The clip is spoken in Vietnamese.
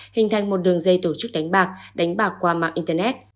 hình thành một đường dây tổ chức đánh bạc đánh bạc qua mạng internet